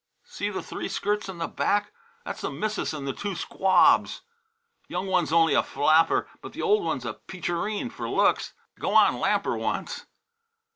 "See the three skirts in the back? That's the Missis and the two squabs. Young one's only a flapper, but the old one's a peacherine for looks. Go on, lamp her once!"